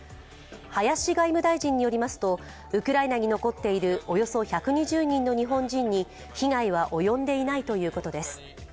林外務大臣によると、ウクライナに残っているおよそ１２０人の日本人に被害は及んでいないということです。